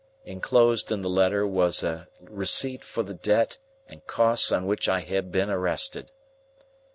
Enclosed in the letter was a receipt for the debt and costs on which I had been arrested.